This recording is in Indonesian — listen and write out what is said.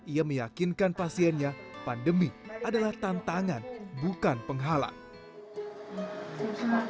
ia meyakinkan pasiennya pandemi adalah tantangan bukan penghalang